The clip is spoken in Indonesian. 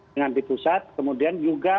dengan di pusat kemudian juga